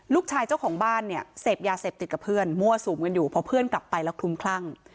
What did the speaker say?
เจ้าของบ้านเนี่ยเสพยาเสพติดกับเพื่อนมั่วสุมกันอยู่พอเพื่อนกลับไปแล้วคลุมคลั่ง